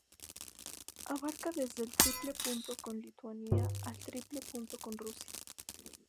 Abarca desde el triple punto con Lituania al triple punto con Rusia.